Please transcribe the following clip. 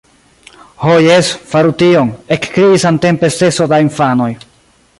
— Ho, jes, faru tion, — ekkriis samtempe seso da infanoj.